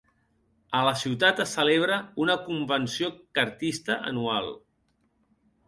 A la ciutat es celebra una "Convenció Chartista" anual.